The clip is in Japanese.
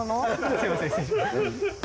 すみません。